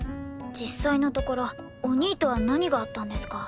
実際のところお兄とは何があったんですか？